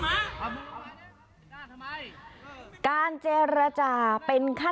ก็คือเจ้าหน้าที่ดับเผลิงก็ต้องฉีดน้ำเข้าไปในห้องเช่า